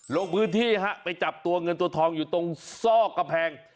ลงพื้นที่ฮะไปจับตัวเงินตัวทองอยู่ตรงซอกกำแพง